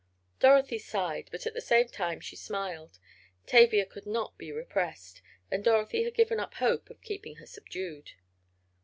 Dorothy sighed, but at the same time she smiled. Tavia could not be repressed, and Dorothy had given up hope of keeping her subdued.